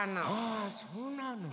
あそうなの。